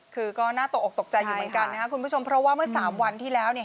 คือก็น่าตกออกตกใจอยู่เหมือนกันนะครับคุณผู้ชมเพราะว่าเมื่อ๓วันที่แล้วเนี่ย